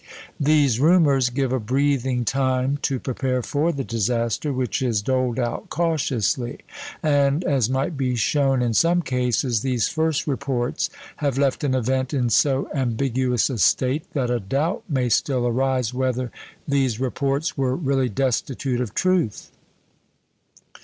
These rumours give a breathing time to prepare for the disaster, which is doled out cautiously; and, as might be shown, in some cases these first reports have left an event in so ambiguous a state, that a doubt may still arise whether these reports were really destitute of truth!